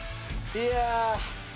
いや。